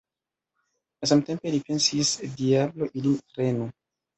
Samtempe li pensis: Diablo ilin prenu!